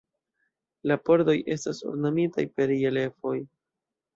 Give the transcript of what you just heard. La pordoj estas ornamitaj per reliefoj.